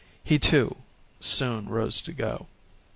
He, too, soon rose to go.